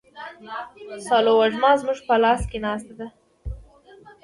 سالو وږمه زموږ په لاس کي نسته.